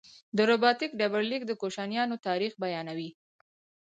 د رباتک ډبرلیک د کوشانیانو تاریخ بیانوي